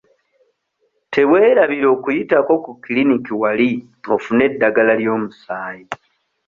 Teweerabira okuyitako ku kiriniki wali ofune eddagala ly'omusaayi.